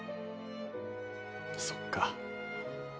そっか